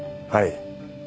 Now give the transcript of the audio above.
はい。